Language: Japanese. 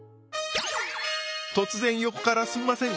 突然横からすんません